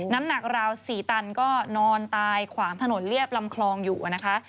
น้ำหนักราว๔ตันก็นอนตายขวางถนนเรียบลำคลองอยู่นะคะ